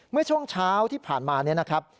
เมื่อช่วงเช้าที่ผ่านมาเนี่ยนะครับ